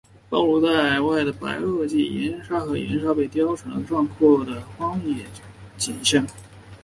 暴露在外的白垩纪页岩和砂岩被雕刻成了壮观的荒野景象。